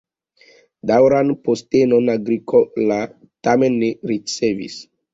Daŭran postenon Agricola tamen ne ricevis.